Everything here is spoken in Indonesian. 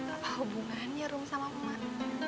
apa hubungannya rum sama emak